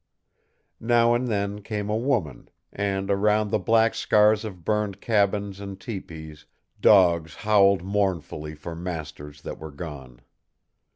Now and then came a woman, and around the black scars of burned cabins and teepees dogs howled mournfully for masters that were gone.